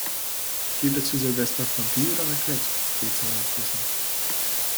"Gibt es zu Silvester Fondue oder Raclette?", will Zeynep wissen.